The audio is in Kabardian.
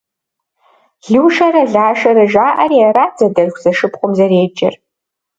Лушэрэ Лашэрэ жаӏэри арат зэдэлъху-зэшыпхъум зэреджэр.